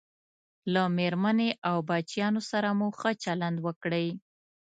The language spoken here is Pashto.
له میرمنې او بچیانو سره مو ښه چلند وکړئ